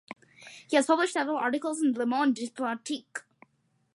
He has published several articles in "Le Monde diplomatique".